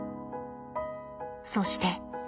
そして。